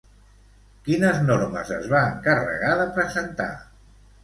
Quines normes es va encarregar de presentar?